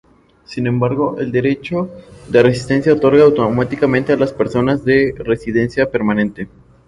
Sin embargo, el derecho de residencia otorga automáticamente a las personas la residencia permanente.